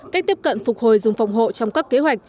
cách tiếp cận phục hồi rừng phòng hộ trong các kế hoạch